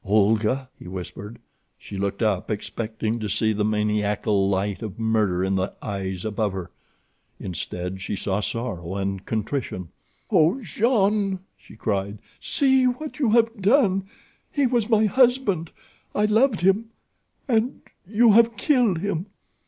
"Olga," he whispered. She looked up, expecting to see the maniacal light of murder in the eyes above her. Instead she saw sorrow and contrition. "Oh, Jean!" she cried. "See what you have done. He was my husband. I loved him, and you have killed him."